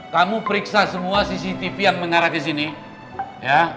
kamu periksa semua cctv yang mengarah kesini ya